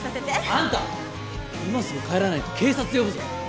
あんた今すぐ帰らないと警察呼ぶぞ！